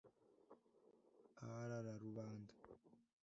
Aharara rubunda